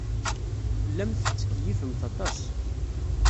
Tellamt tettkeyyifemt aṭas.